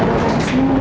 gak mau disini